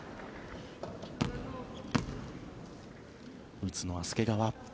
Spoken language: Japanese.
打つのは介川。